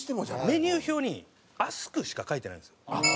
メニュー表に「ＡＳＫ」しか書いてないんですよ。